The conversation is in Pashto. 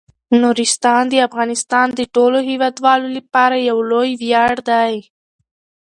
نورستان د افغانستان د ټولو هیوادوالو لپاره یو لوی ویاړ دی.